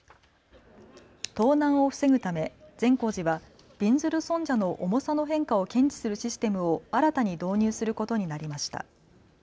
盗難を防ぐため善光寺はびんずる尊者の重さの変化を検知するシステムを新たに導入することになりました。